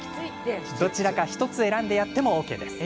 どちらか１つ選んでやってもＯＫです。